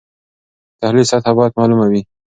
د تحلیل سطحه باید معلومه وي.